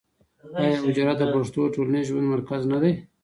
آیا حجره د پښتنو د ټولنیز ژوند مرکز نه دی؟